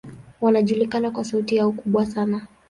Wanajulikana kwa sauti yao kubwa sana.